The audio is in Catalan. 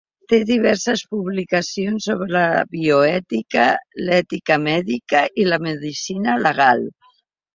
Té diverses publicacions sobre la bioètica, l'ètica mèdica i la medicina legal.